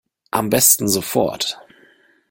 Am besten sofort.